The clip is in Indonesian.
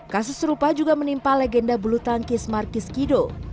kasus serupa juga menimpa legenda bulu tangkis markis kido